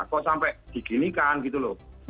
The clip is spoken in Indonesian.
kok sampai diginikan gitu loh